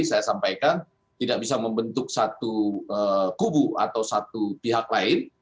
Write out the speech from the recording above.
saya sampaikan tidak bisa membentuk satu kubu atau satu pihak lain